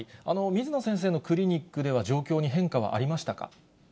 水野先生のクリニックでは、状況に変化はありましたか？